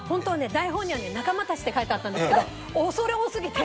台本にはね「仲間たち」って書いてあったんですけど恐れ多すぎて。